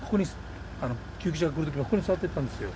救急車が来るときにここに座ってたんですよ。